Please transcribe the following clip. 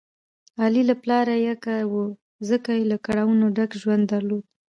علي له پلاره یکه و، ځکه یې له کړاو نه ډک ژوند درلود.